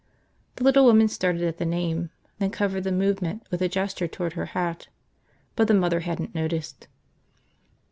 The little woman started at the name, then covered the movement with a gesture toward her hat. But the mother hadn't noticed.